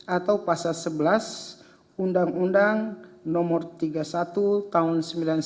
atau pasal sebelas undang undang nomor tiga puluh satu tahun seribu sembilan ratus sembilan puluh sembilan